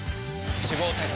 脂肪対策